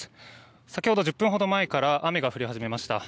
先ほど１０分ほど前から雨が降り始めました。